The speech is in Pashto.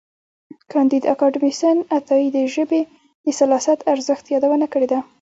کانديد اکاډميسن عطايي د ژبې د سلاست ارزښت یادونه کړې ده.